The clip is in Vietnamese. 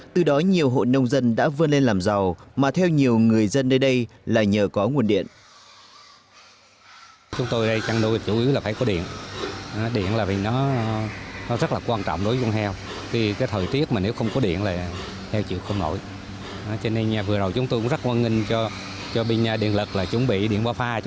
từ đó nhiều hộ nông dân đã vươn lên làm giàu mà theo nhiều người dân đây là nhờ có nguồn điện